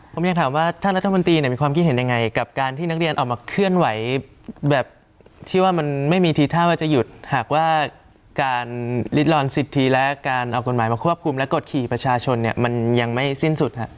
ผมอยากถามว่าท่านรัฐมนตรีมีความคิดเห็นยังไงกับการที่นักเรียนออกมาเคลื่อนไหวแบบที่ว่ามันไม่มีทีท่าว่าจะหยุดหากว่าการลิดลอนสิทธิและการเอากฎหมายมาควบคุมและกดขี่ประชาชนเนี่ยมันยังไม่สิ้นสุดฮะ